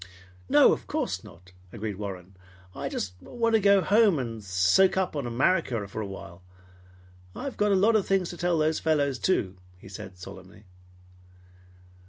"No, of course not," agreed Warren. "I just want to go home and soak up on America for awhile. I've got a lot of things to tell those fellows, too!" he said solemnly.